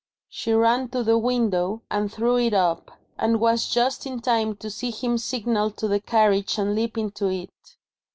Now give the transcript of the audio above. She ran to the window, and threw it up and was just in time to see him signal to the carriage and leap into it.